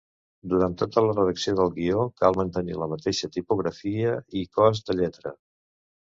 Durant tota la redacció del guió cal mantenir la mateixa tipografia i cos de lletra.